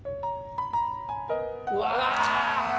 うわ！